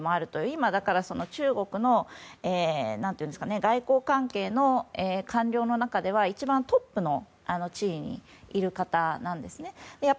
今、中国の外交関係の官僚の中では、一番トップの地位にいる方なんですね。